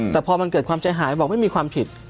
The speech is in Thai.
แต่พอมันเกิดความใจหายบอกไม่มีความผิด